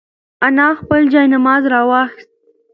انا خپل جاینماز راواخیست.